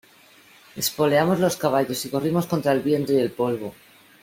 espoleamos los caballos y corrimos contra el viento y el polvo.